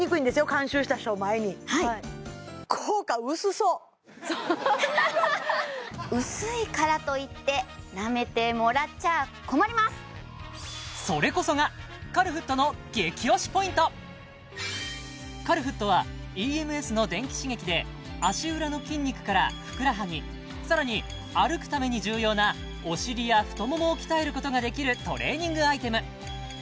監修した人を前にハッハッハそれこそがカルフットの激推しポイントカルフットはＥＭＳの電気刺激で足裏の筋肉からふくらはぎさらに歩くために重要なお尻や太ももを鍛えることができるトレーニングアイテム